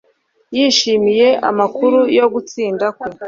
Yishimiye amakuru yo gutsinda kwe.